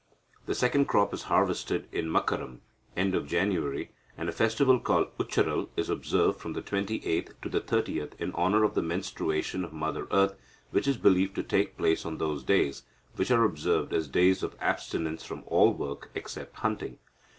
The second crop is harvested in Makaram (end of January), and a festival called Ucharal is observed from the twenty eighth to the thirtieth in honour of the menstruation of mother earth, which is believed to take place on those days, which are observed as days of abstinence from all work, except hunting.